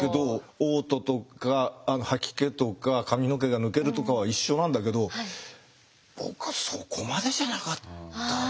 おう吐とか吐き気とか髪の毛が抜けるとかは一緒なんだけど僕はそこまでじゃなかったな。